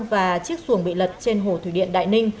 và chiếc xuồng bị lật trên hồ thủy điện đại ninh